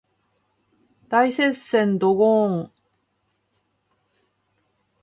大接戦ドゴーーン